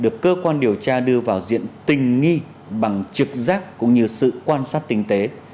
cơ quan điều tra đưa vào diện tình nghi bằng trực giác cũng như sự quan sát tinh tế